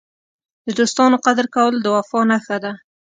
د دوستانو قدر کول د وفا نښه ده.